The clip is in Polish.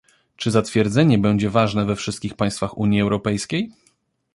czy zatwierdzenie będzie ważne we wszystkich państwach Unii Europejskiej?